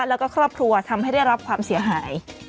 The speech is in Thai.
แล้วก็ครอบครัวทำให้ได้รับความเสียหาย